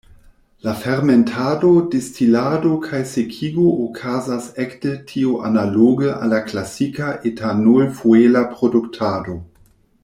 La fermentado, distilado kaj sekigo okazas ekde tio analoge al la klasika etanol-fuela produktado.